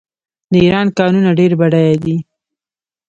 د ایران کانونه ډیر بډایه دي.